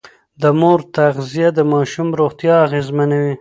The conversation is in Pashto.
د مور تغذيه د ماشوم روغتيا اغېزمنوي.